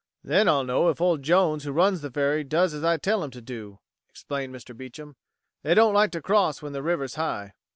"Then I'll know if old Jones who runs the ferry does as I tell him to do," explained Mr. Beecham. "They don't like to cross when the river's high."